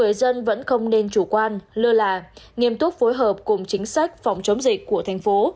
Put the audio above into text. người dân vẫn không nên chủ quan lơ là nghiêm túc phối hợp cùng chính sách phòng chống dịch của thành phố